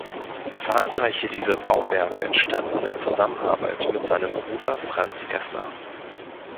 Zahlreiche dieser Bauwerke entstanden in Zusammenarbeit mit seinem Bruder Franz Gessner.